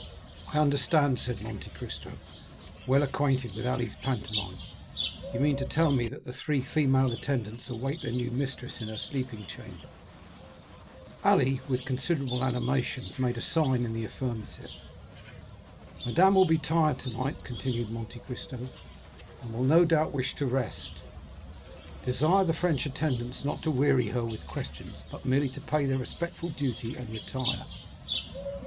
"I understand," said Monte Cristo, well acquainted with Ali's pantomime; "you mean to tell me that three female attendants await their new mistress in her sleeping chamber." Ali, with considerable animation, made a sign in the affirmative. "Madame will be tired tonight," continued Monte Cristo, "and will, no doubt, wish to rest. Desire the French attendants not to weary her with questions, but merely to pay their respectful duty and retire.